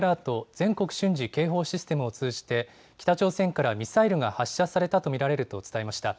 ・全国瞬時警報システムを通じて北朝鮮からミサイルが発射されたと見られると伝えました。